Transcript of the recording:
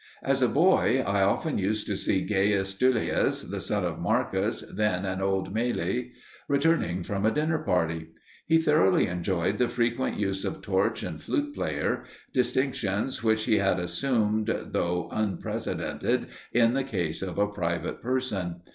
As a boy I often used to see Gaius Duilius the son of Marcus, then an old man, returning from a dinner party. He thoroughly enjoyed the frequent use of torch and flute player, distinctions which he had assumed though unprecedented in the case of a private person.